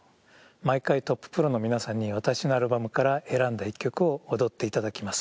毎回トッププロの皆さんに私のアルバムから選んだ１曲を踊っていただきます。